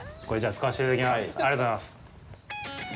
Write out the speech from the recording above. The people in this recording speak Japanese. ありがとうございます。